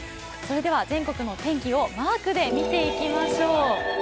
全国の天気をマークで見ていきましょう。